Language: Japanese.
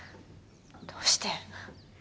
どうして。